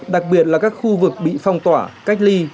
đặc biệt là các khu vực bị phong tỏa cách ly